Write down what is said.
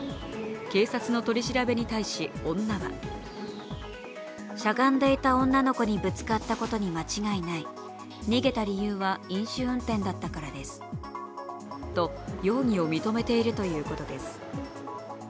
警察の取り調べに対し、女はと容疑を認めているということです。